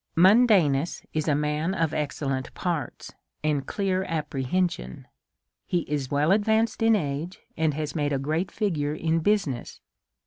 Mundanus is a man of excellent parts, and clear ap prehension. He is well advanced in age, and has made a great figure in business.